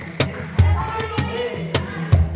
jangan lupa di sini